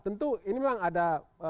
tentu ini memang ada